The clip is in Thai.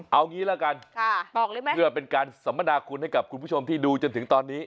เอางี้แล้วกันเกือบเป็นการสมนาคุณให้กับคุณผู้ชมที่ดูจนถึงตอนนี้